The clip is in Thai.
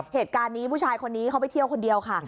เหตุการณ์นี้ผู้ชายคนนี้เขาไปเที่ยวคนเดียวค่ะ